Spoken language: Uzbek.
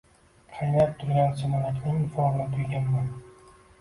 Qaynab turgan sumalakning iforini tuyganman.